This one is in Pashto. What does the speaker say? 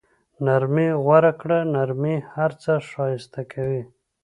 نرمي غوره کړه، نرمي هر څه ښایسته کوي.